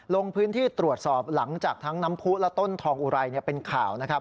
ลงพื้นที่ตรวจสอบหลังจากทั้งน้ำผู้และต้นทองอุไรเป็นข่าวนะครับ